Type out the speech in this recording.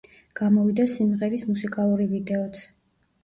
გამოვიდა სიმღერის მუსიკალური ვიდეოც.